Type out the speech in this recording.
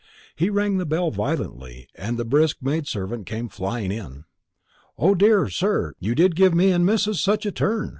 He rang the bell violently, and the brisk maid servant came flying in. "Oh, dear, sir, you did give me and missus such a turn!"